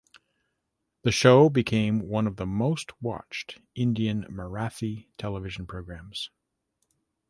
The show became one of the most watched Indian Marathi television programs.